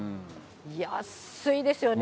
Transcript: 安いですよね。